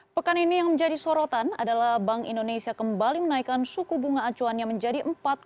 pekan ini yang menjadi sorotan adalah bank indonesia kembali menaikkan suku bunga acuannya menjadi empat